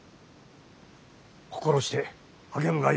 心して励むがよい。